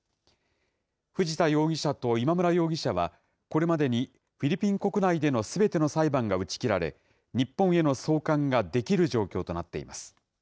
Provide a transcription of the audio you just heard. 藤田容疑者と今村容疑者は、これまでにフィリピン国内でのすべての裁判が打ち切られ、日本への送還ができる状況となっています。